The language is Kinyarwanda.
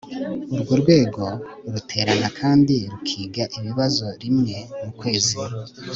uru rwego ruterana kandi rukiga ibibazo rimwe mu kwezi